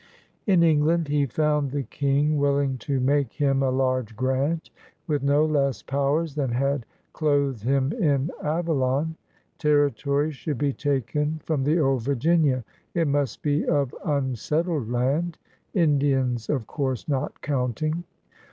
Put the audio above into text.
In England he found the King willing to make him a large grant, with no less powers than had clothed him in Avalon. Territory should be taken from the old Virginia; it must be of imsettled land — Indians of course not counting.